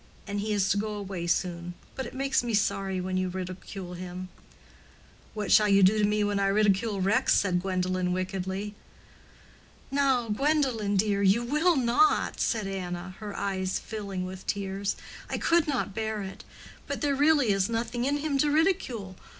And he is to go away soon. But it makes me sorry when you ridicule him." "What shall you do to me when I ridicule Rex?" said Gwendolen, wickedly. "Now, Gwendolen, dear, you will not?" said Anna, her eyes filling with tears. "I could not bear it. But there really is nothing in him to ridicule.